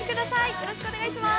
よろしくお願いします。